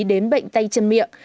đến bệnh tay chân miệng